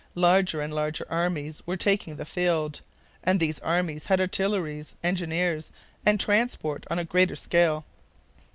Larger and larger armies were taking the field, and these armies had artillery, engineers, and transport on a greater scale.